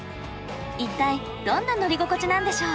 一体どんな乗り心地なんでしょう？